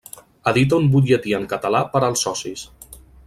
Edita un butlletí en català per als socis.